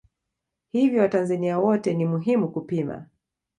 Hivyo watanzania wote ni muhimu kupima